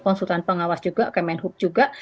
konsultan pengawas juga kemenhub juga